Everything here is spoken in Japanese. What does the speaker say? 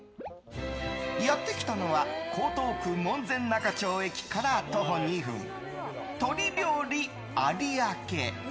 やってきたのは江東区門前仲町駅から徒歩２分鳥料理有明。